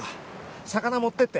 魚持っていって。